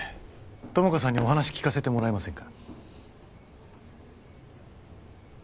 友果さんにお話聞かせてもらえませんか？